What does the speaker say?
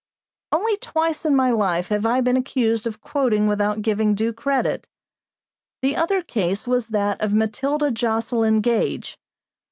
Only twice in my life have I been accused of quoting without giving due credit. The other case was that of Matilda Joslyn Gage.